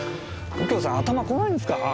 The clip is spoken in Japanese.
右京さん頭こないんですか？